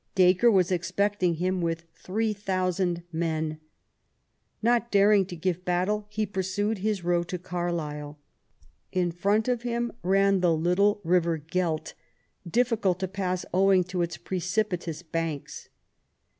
Dacre was expecting him with 3000 men. Not daring to give battle, he pursued his road to Carlisle. In front of him ran the little river Gelt, difficult to pass owing to its precipitous banks.